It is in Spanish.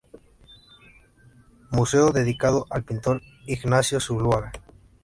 Museo dedicado al pintor Ignacio Zuloaga.